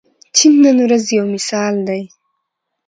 چین نن ورځ یو مثال دی.